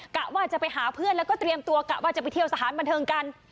กะว่าจะไปหาเพื่อนแล้วก็เตรียมตัวกะว่าจะไปเที่ยวสถานบันเทิงกัน